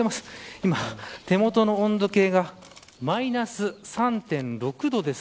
今、手元の温度計がマイナス３．６度です。